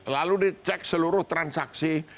lalu dicek seluruh transaksi